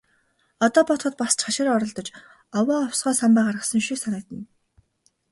Одоо бодоход бас ч хашир оролдож, овоо овсгоо самбаа гаргасан шиг санагдана.